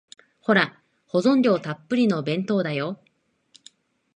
ほら、保存料たっぷりの弁当だよ。